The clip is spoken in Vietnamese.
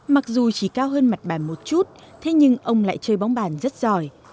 mặc dù chỉ cao hơn mặt bàn một chút thế nhưng ông lại chơi bóng bàn rất giỏi